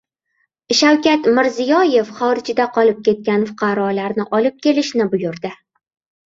Shavkat Mirziyoyev xorijda qolib ketgan fuqarolarni olib kelishni buyurdi